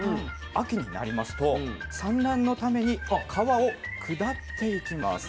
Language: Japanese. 秋になりますと産卵のために川を下っていきます。